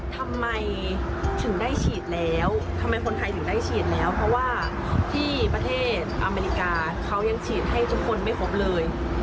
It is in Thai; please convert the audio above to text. ทำไมถึงได้ฉีดแล้วทำไมคนไทยถึงได้ฉีดแล้วเพราะว่าที่ประเทศอเมริกาเขายังฉีดให้ทุกคนไม่ครบเลย